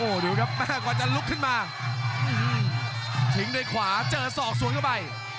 โอ้เดี๋ยวครับแม่กว่าจะลุกขึ้นมาทิ้งโดยขวาเจอสอกสวนเข้าไป